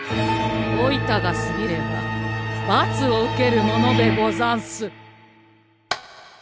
おいたが過ぎればばつを受けるものでござんす。